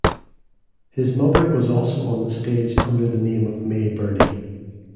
His mother was also on the stage under the name of May Burney.